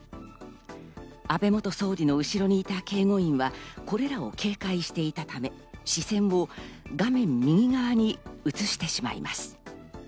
安倍元総理の後ろにいた警護員は、これらを警戒していたため、視線を画面右側に移してしまいます。